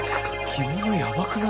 着物やばくない？